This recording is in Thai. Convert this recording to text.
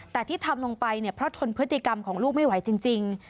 แต่ที่ทำลงไปเนี่ยเพราะทนพฤติกรรมของลูกไม่ไหวจริง